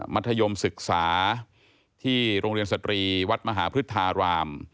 ธัมศึกษาที่โรงเรียนสตรีวัดมหาพฤทธาราม